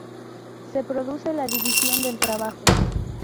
Se produce la división del trabajo.